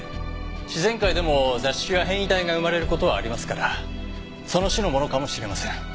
自然界でも雑種や変異体が生まれる事はありますからその種のものかもしれません。